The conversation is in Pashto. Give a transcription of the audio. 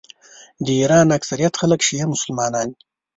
د ایران اکثریت خلک شیعه مسلمانان دي.